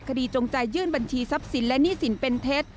จงใจยื่นบัญชีทรัพย์สินและหนี้สินเป็นเท็จ